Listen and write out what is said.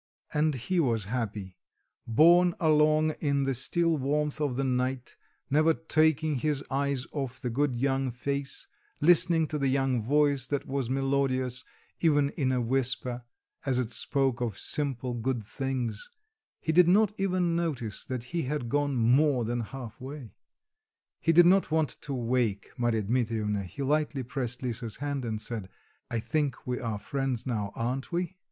And he was happy; borne along in the still warmth of the night, never taking his eyes off the good young face, listening to the young voice that was melodious even in a whisper, as it spoke of simple, good things, he did not even notice that he had gone more than half way. He did not want to wake Marya Dmitrievna, he lightly pressed Lisa's hand and said, "I think we are friends now, aren't we?"